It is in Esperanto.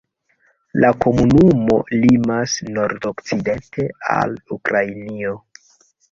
La komunumo limas nord-okcidente al Ukrainio.